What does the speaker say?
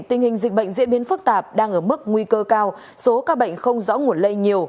tình hình dịch bệnh diễn biến phức tạp đang ở mức nguy cơ cao số ca bệnh không rõ nguồn lây nhiều